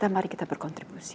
mari kita berkontribusi